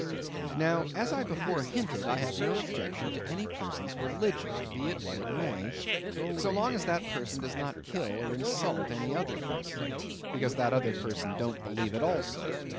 Now, as I before hinted, I have no objection to any person's religion, be it what it may, so long as that person does not kill or insult any other person, because that other person don't believe it also.